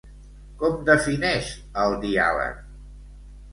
Com defineix el diàleg?